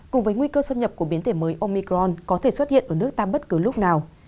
cùng với nguy cơ xâm nhập của biến thể mới omicron có thể xuất hiện ở nước ta bất cứ lúc nào